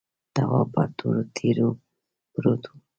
تواب پر تورو تیږو پروت و.